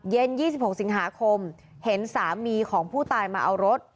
๒๖สิงหาคมเห็นสามีของผู้ตายมาเอารถ